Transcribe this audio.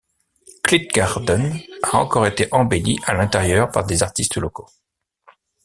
Klitgården a encore été embelli à l'intérieur par des artistes locaux.